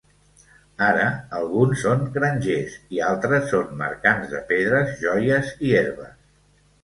Ara, alguns són grangers i altres són mercants de pedres, joies i herbes.